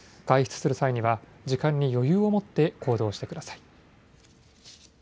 外出する際には時間に余裕を持って行動してください。